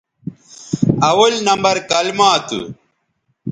اول نمبر کلما تھو